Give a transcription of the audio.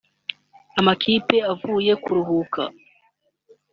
Amakipe avuye kuruhuka